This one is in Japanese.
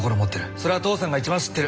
それは父さんがいちばん知ってる。